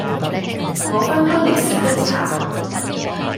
我翻開歷史一查，